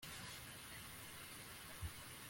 Ndi rulirimbwa mu mahina rwa Nyilimbirima